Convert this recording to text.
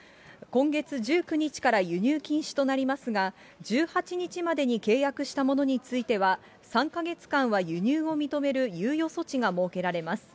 今月１９日から輸入禁止となりますが、１８日までに契約したものについては、３か月間は輸入を認める猶予措置が設けられます。